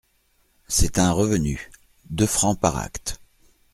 C'est un revenu …deux francs par acte :…